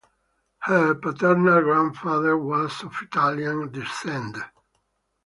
Her paternal grandfather was of Italian descent.